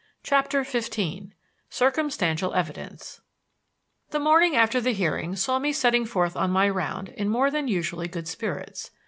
CHAPTER XV CIRCUMSTANTIAL EVIDENCE The morning after the hearing saw me setting forth on my round in more than usually good spirits.